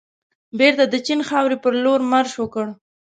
بېرته د چین خاورې پرلور مارش وکړ.